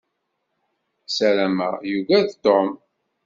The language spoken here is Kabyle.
Ssarameɣ yugad Tom.